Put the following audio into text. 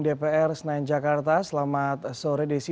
dpr senayan jakarta selamat sore desi